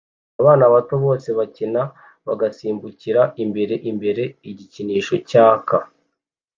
Abana bato bose bakina bagasimbukira imbere imbere igikinisho cyaka